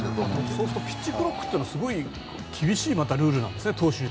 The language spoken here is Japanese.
そうするとピッチクロックというのは投手にとって厳しいルールなんですね。